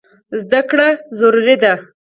زده کړه ضروري ده.